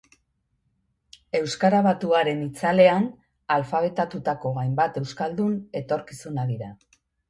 Euskara batuaren itzalean alfabetatutako hainbat euskaldun etorkizuna dira.